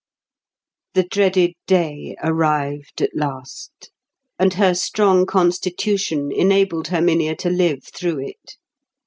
The dreaded day arrived at last, and her strong constitution enabled Herminia to live through it.